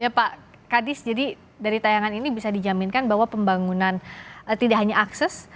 ya pak kadis jadi dari tayangan ini bisa dijaminkan bahwa pembangunan tidak hanya akses